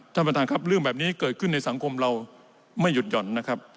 ท่านประธานครับเรื่องแบบนี้เกิดขึ้นในสังคมเราไม่หยุดหย่อนนะครับ